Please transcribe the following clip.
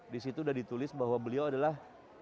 disitu sudah ditulis bahwa beliau adalah